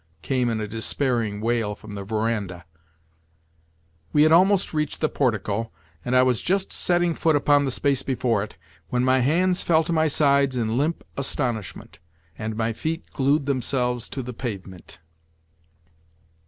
came in a despairing wail from the verandah. We had almost reached the portico, and I was just setting foot upon the space before it, when my hands fell to my sides in limp astonishment, and my feet glued themselves to the pavement!